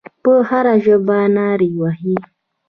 په هره ژبه نارې وهي.